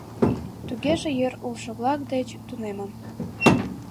— Тугеже йыр улшо-влак деч тунемын.